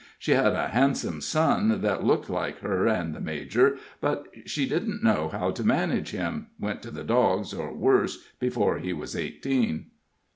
She had a handsome son, that looked like her and the major, but she didn't know how to manage him went to the dogs, or worse, before he was eighteen."